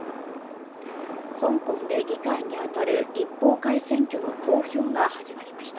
香港で議会に当たる、立法会選挙の投票が始まりました。